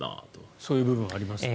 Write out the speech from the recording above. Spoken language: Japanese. そういう部分はありますか？